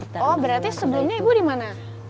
oh berarti sebelumnya ibu di mana